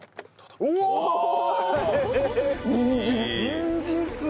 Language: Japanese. にんじんっすね！